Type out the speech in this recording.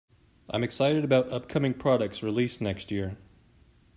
I am excited about upcoming products released next year.